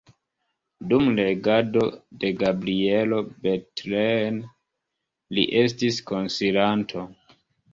Dum regado de Gabrielo Bethlen li estis konsilanto.